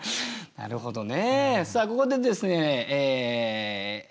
なるほどね。